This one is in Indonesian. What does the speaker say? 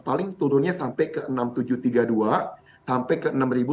paling turunnya sampai ke enam ribu tujuh ratus tiga puluh dua sampai ke enam ribu tujuh ratus lima puluh enam